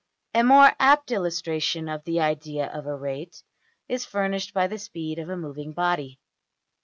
A more apt illustration of the idea of a rate is furnished by the speed of a moving body.